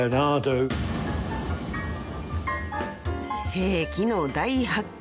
［世紀の大発見。